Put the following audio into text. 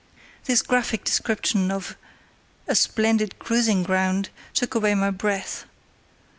This graphic description of a "splendid cruising ground" took away my breath.